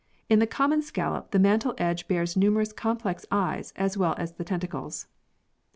In the common scallop the mantle edge bears numerous complex eyes as well as the tentacles.